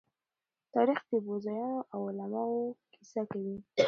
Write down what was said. تاریخ د پوځيانو او علماءو کيسه کوي.